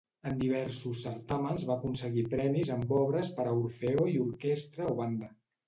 En diversos certàmens va aconseguir premis amb obres per a orfeó i orquestra o banda.